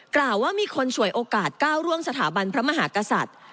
กล่าวว่ามีคนฉวยโอกาสก้าวร่วงสถาบันพระมหากษัตริย์